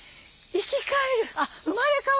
生き返る！